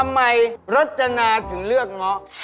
ทำไมรัชจนาถึงเลือกเงา